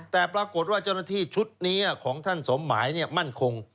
แต่ปรากฏว่าเจ้าหน้าที่ชุดนี้ของท่านสมหมายมั่นคง